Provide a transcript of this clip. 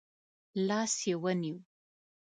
لاس يې ونیو.